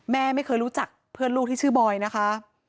แม่ไม่เคยรู้จักเพื่อนลูกที่ชื่อบอยนะคะ